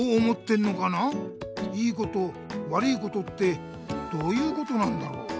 「良いこと悪いこと」ってどういうことなんだろう？